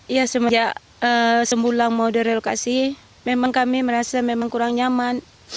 ya semenjak sembulang mau direlokasi memang kami merasa memang kurang nyaman